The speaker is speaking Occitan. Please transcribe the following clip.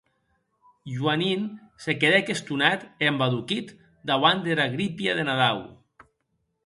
Juanin se quedèc estonat e embadoquit dauant dera grípia de Nadau.